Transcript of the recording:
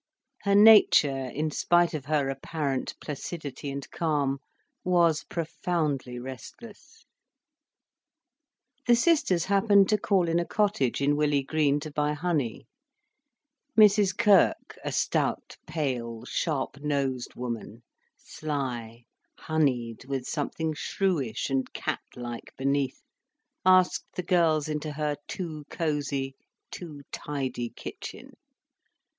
Her nature, in spite of her apparent placidity and calm, was profoundly restless. The sisters happened to call in a cottage in Willey Green to buy honey. Mrs Kirk, a stout, pale, sharp nosed woman, sly, honied, with something shrewish and cat like beneath, asked the girls into her too cosy, too tidy kitchen.